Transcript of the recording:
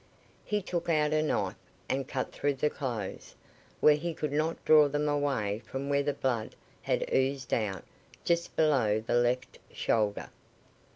He took out a knife and cut through the clothes, where he could not draw them away from where the blood had oozed out just below the left shoulder.